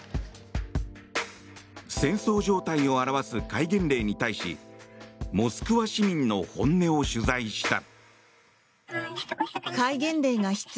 戦争状態を表す戒厳令に対しモスクワ市民の本音を取材した。